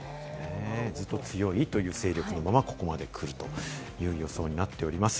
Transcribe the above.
ずっと強いという勢力のままここまでくるという予想になっております。